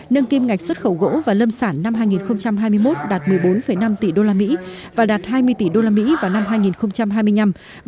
nâng kim ngạch xuất khẩu gỗ và lâm sản năm hai nghìn hai mươi một đạt một mươi bốn năm tỷ usd và đạt hai mươi tỷ usd vào năm hai nghìn hai mươi năm